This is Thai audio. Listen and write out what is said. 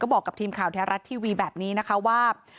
บอกกับทีมข่าวแท้รัฐทีวีแบบนี้นะคะว่า